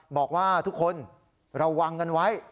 บอกว่าทุกคนระวังกันไว้